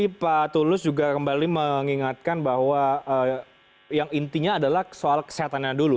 jadi pak tulus juga kembali mengingatkan bahwa yang intinya adalah soal kesehatannya dulu